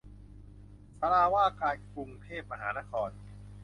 ศาลาว่าการกรุงเทพมหานคร